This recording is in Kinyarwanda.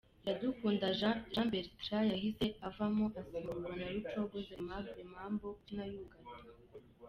Iradukunda Jean Bertrand yahise avamo asimburwa na Rucogoza Aimable Mambo ukina yugarira.